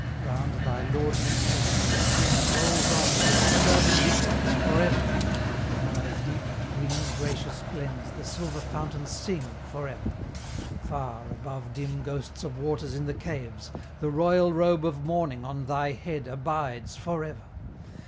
Round thy lordly capes the sea Rolls on with a superb indifference For ever; in thy deep, green, gracious glens The silver fountains sing for ever. Far Above dim ghosts of waters in the caves, The royal robe of morning on thy head Abides for ever.